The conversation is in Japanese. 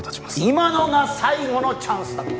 今のが最後のチャンスだった！